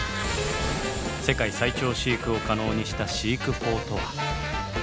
世界最長飼育を可能にした飼育法とは？